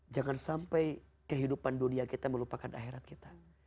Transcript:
jangan sampai kehidupan dunia kita melupakan akhirat kita